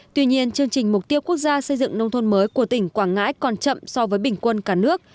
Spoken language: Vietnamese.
tuy nhiên chương trình mục tiêu quốc gia xây dựng nông thôn mới của tỉnh quảng ngãi còn chậm so với bình quân cả nước